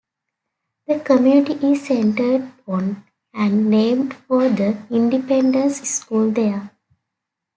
The community is centered on and named for the Independence School there.